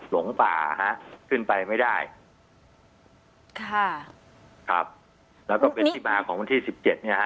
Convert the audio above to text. หลงป่าฮะขึ้นไปไม่ได้ค่ะครับแล้วก็เป็นที่มาของวันที่สิบเจ็ดเนี้ยฮะ